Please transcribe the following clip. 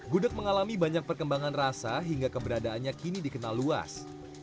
gudeg mengalami banyak perkembangan rasa hingga keberadaannya kini dikenal luas